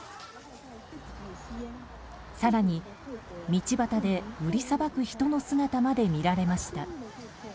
更に道端で売りさばく人の姿まで見られました。